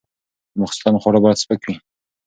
د ماخوستن خواړه باید سپک وي.